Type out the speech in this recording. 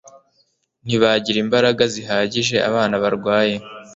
ntibagira imbaraga zihagije. abana barwaye